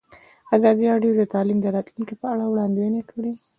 ازادي راډیو د تعلیم د راتلونکې په اړه وړاندوینې کړې.